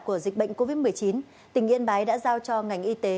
của dịch bệnh covid một mươi chín tỉnh yên bái đã giao cho ngành y tế